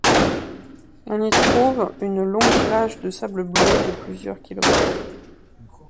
On y trouve une longue plage de sable blond de plusieurs kilomètres.